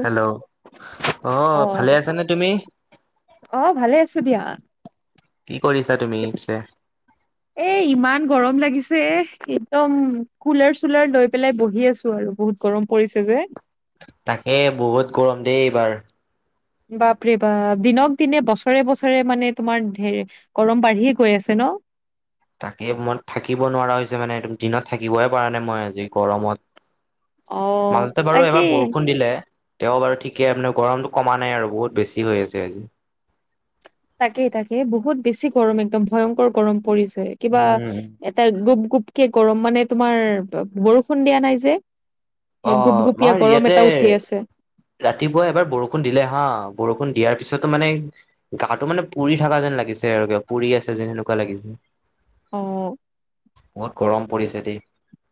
Hello অ ভালে আছানে তুমি? অ ভালে আছো দিয়া। কি কৰিছা তুমি পিছে? [inaudible] এ ইমান গৰম লাগিছে এ একদম কুলাৰ চুলাৰ লৈ পেলাই বহি আছো আৰু বহুত। গৰম পৰিছে যে। তাকে বহুত গৰম দেই এইবাৰ। বাপৰে বাপ দিনক দিনে বছৰে বছৰে মানে তোমাৰ ঢে- গৰম বাঢ়িয়ে গৈ আছে ন? তাকেই মই থাকিব নোৱাৰা হৈছে মানে তুম দিনত থাকিবই পৰা নাই মই আজি গৰমত। অ মাজতে বাৰু এবাৰ তাকেই বৰষুণ দিলে। তেওঁ বাৰু ঠিকে আপুনা গৰমটো কমা নাই আৰু বহুত বেছি হৈ আছে আজি। তাকেই তাকেই বহুত বেছি গৰম একদম ভয়ংকৰ গৰম পৰিছে। কিবা উম এটা গুপ গুপকে গৰম মানে তোমাৰ বৰষুণ দিয়া নাই যে। অ সেই গুপ গুপীয়া আমাৰ গৰম ইয়াতে এটা উঠি আছে। ৰাতিপুৱা এবাৰ বৰষুণ দিলে হা বৰষুণ দিয়াৰ পিছতো মানে গাটো মানে পুৰি থকা যেন লাগিছে আৰু ক পুৰি আছে যেন এনেকুৱা লাগিছে। অ। বহুত গৰম পৰিছে দেই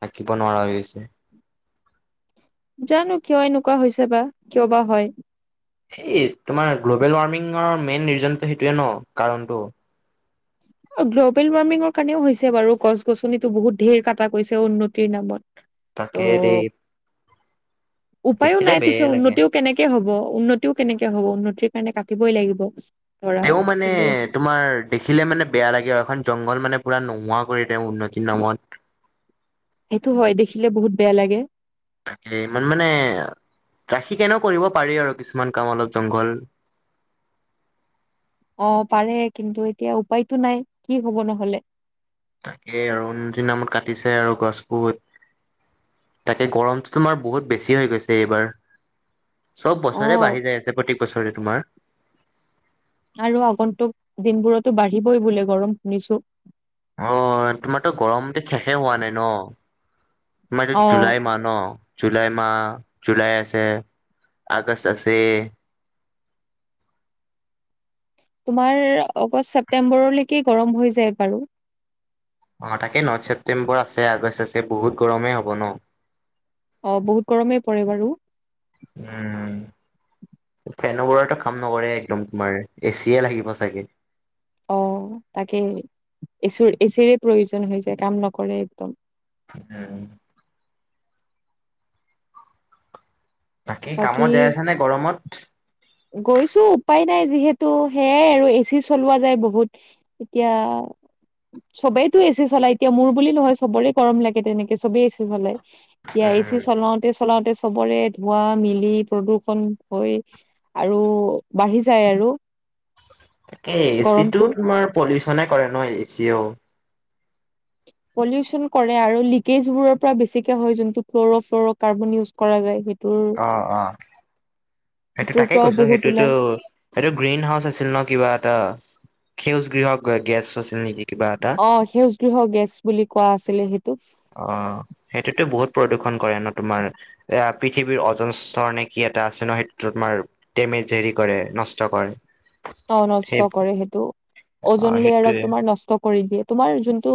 থাকিব নোৱাৰা হৈ গৈছে। জানো কিয় এনেকুৱা হৈছে বা কিয় বা হয়। সেই তোমাৰ গ্ল'বেল ৱাৰ্মিঙৰ মেইন ৰিজনটো সেইটোৱে ন কাৰণটো। গ্ল'বেল ৱাৰ্মিঙৰ কাৰণেও হৈছে বাৰু গছ গছনিতো বহুত ধেৰ কটা কৈছে উন্নতিৰ নামত। ত' তাকে দেই উপায়ো দেখিলে নাই পিছে বেয়াই লাগে। উন্নতিও কেনেকে হব উন্নতিও কেনেকে হ'ব, উন্নতিৰ কাৰণে কাটিবই লাগিব। ধৰা তেওঁ মানে কিন্তু তোমাৰ দেখিলে মানে বেয়া লাগে আৰু এখন জংঘল মানে পুৰা নোহোৱা কৰি তেওঁ উন্নতিৰ নামত। সেইটো হয় দেখিলে বহুত বেয়া লাগে। তাকে ইমান মানে ৰাখি কেনে কৰিব পাৰি আৰু কিছুমান কাম অলপ জংঘল। অ পাৰে কিন্তু এতিয়া উপায়তো নাই কি হ'ব নহ'লে। তাকেই আৰু উন্নতিৰ নামত কাটিছে আৰু গছ বহুত। তাকে গৰমটো তোমাৰ বহুত বেছি হৈ গৈছে এইবাৰ। চব অ বছৰে বাঢ়ি যায় আছে প্ৰত্যেক বছৰে তোমাৰ। আৰু আগন্তুক দিনবোৰতো বাঢ়িবই বোলে গৰম শুনিছো। অ' তোমাৰতো গৰম শেষে হোৱা নাই ন। মাৰ অ জুলাই মাহ ন [unintelligible] জুলাই মাহ জুুলাই আছে, আগষ্ট আছে। তোমাৰ আগষ্ট ছেপ্তেম্বৰলৈকে গৰম হৈ যায় বাৰু। অ' তাকে নথ ছেপ্তেম্বৰ আছে আগষ্ট আছে বহুত গৰমেই হ'ব ন। অ' বহুত গৰমেই পৰে বাৰু। উম। ফেনৰ বৰএতা কাম নকৰে একদম তুমাৰ এচিয়ে লাগিব চাগে। অ' তাকে এচ এচিৰে প্ৰয়োজন হৈ যায় কাম নকৰে একদম। উম। তাকে বাকী কামত যাই আছা নে গৰমত? গৈছো উপায় নাই যিহেতু সেয়াই আৰু এ চি চলোৱা যায় বহুত। এতিয়া। চবেইতো এচি চলায় এতিয়া মোৰ বুলি নহয় সবৰে গৰম লাগে তেনেকে চবেই এ চি চলায়। এতিয়া এ'চি উম চলাওতে- চলাওতে চবৰে ধোৱা মিলি প্ৰদূৰ্ষন হৈ। আৰু বাঢ়ি যায় আৰু। এ' এচি গৰমটো টো তোমাৰ পলিউচনে কৰে নহয় এচিও। পলিউচন কৰে আৰু লিকেজ বোৰৰ পৰা বেছিকে হয় যোনটো ফ্ল'ৰ' ফ্ল'ৰ' কাৰ্বন ইউজ কৰা যায় সেই। অঁ অঁ। সেইটো সেইটোৰ তাকে পৰাও কৈছো বহুত সেইটোতো। ওলাই এইটো গ্ৰীণ হাউচ আছিল ন কিবা এটা, খেউজ গৃহক গেছ আছিল নেকি কিবা এটা। অ' সেউজ গৃহ গেছ বুলি কোৱা আছিলে সেইটো। অ' সেইটোতো বহুত প্ৰদূ্ষণ কৰে ন তোমাৰ। এ' পৃথিৱীৰ অজস্ৰ নে কি এটা আছে ন সেইটো তোমাৰ। ডেমেজ হেৰি কৰে, নষ্ট কৰে। অ' সেই নষ্ট কৰে সেইটো অ', ওজনি আৰু ক সেইটোৱে তোমাৰ নষ্ট। কৰি দিয়ে তোমাৰ যোনটো।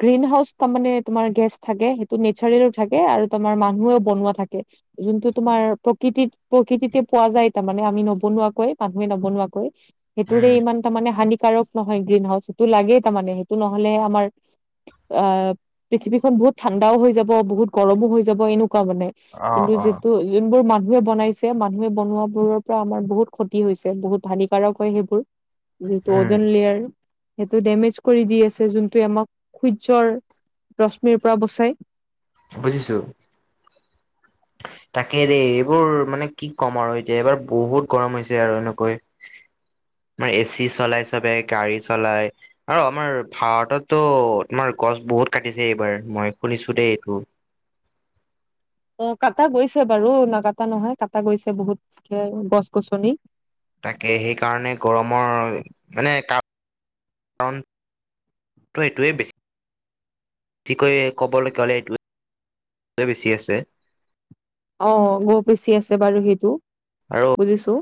গ্ৰীণ হাউচ তাৰমানে তোমাৰ গেছ থাকে, সেইটো নেচাৰেল থাকে আৰু তোমাৰ মানুহেও বনোৱা থাকে। যোনটো তোমাৰ প্ৰকৃতিত - প্ৰকৃতিতে পোৱা যায় তাৰমানে আমি নবনুৱাকৈ। মানুহে নবনোৱাকৈ, উম, সেইটোৰেই ইমান তাৰমানে হানিকাৰক। নহয় গ্ৰীণ হাউচ সেইটো লাগেই তাৰমানে সেইটো নহ'লে আমাৰ। অ' পৃথিৱীখন বহুত ঠাণ্ডাও হৈ যাব বহুত গৰমো হৈ যাব এনেকুৱা মানে। অ', কিন্তু অ', যিটো যোনবোৰ মানুহে বনাইছে, মানুহে বনোৱা বোৰৰ পৰা আমাৰ বহুত খত। হৈছে বহুত হানিকাৰক হয় সেইবোৰ, যিহেতটো উম ওজন লেয়াৰ। সেইটো ডেমেজ কৰি দি আছে, যোনটো আমাক সূৰ্যৰ ৰশ্মিৰ পৰা বচাই। বুজিছো। তাকে দেই এইবোৰ মানে কি ক'ম আৰু এতিয়া এইবাৰ বহুত গৰম হৈছে আৰু এনেকৈ। [inaudible] আমাৰ এ চি চলাই চবে গাড়ী চলাই। আৰু আমাৰ ভাৰততো তোমাৰ গছ বহুত কাটিছে এইবাৰ মই শুনিছো দেই এইটো। অ' কাটা গৈছে বাৰু নাকাটা নহয় কাটা গৈছে বহুত গছ - গছনি। তাকে সেইকাৰণে গৰমৰ মানে কাৰ কাৰণ। ত' সেইটোৱে বেছি। কি কয় ক'বলৈ পালে এইটো বেছি আছে। অ মোক বেছি আছে বাৰু সেইটো আৰু বুজিছো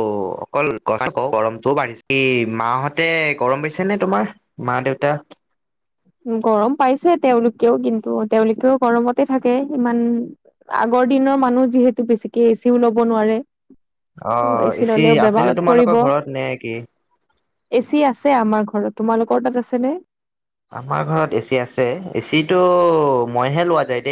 অ', অকল গৰমটোও বাঢ়িছে মাহতে গৰম পঢ়িছে নে তোমাৰ। মা দেউতা। গৰম পাইছে তেওঁলোকেও কিন্তু তেওঁলোকেও গৰমতে থাকে ইমান আগৰ দিনৰ মানুহ যিহেতু বেছিকে এচিও ল'ব নোৱাৰে। ত এচি অ', চি ললেও আছে নে বেমাৰত তোমালোকৰ ঘৰত নে কি। এ চি আছে আমাৰ ঘৰত তোমালোকৰ তাত আছে নে। আমাৰ ঘৰত এচি আছে এচি টো মইহে লোৱা যায়।